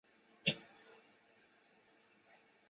参与观察是一种研究策略。